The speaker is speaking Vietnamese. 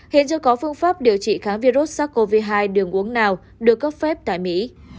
hiện chưa có phương pháp điều trị kháng virus sars cov hai đường uống nào được cấp phép tại mỹ